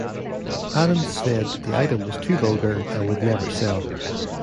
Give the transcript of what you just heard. Adams said that the item was "too vulgar" and would never sell.